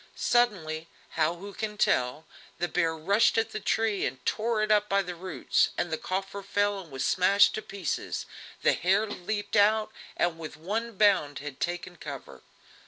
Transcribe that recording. Suddenly, how who can tell, the bear rushed at the tree and tore it up by the roots, the coffer fell and was smashed to pieces, the hare leaped out, and with one bound had taken cover.